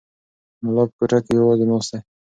ملا په کوټه کې یوازې ناست دی.